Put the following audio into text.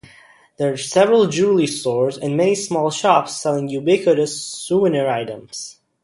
There are several jewellery stores and many small shops selling ubiquitous souvenir items.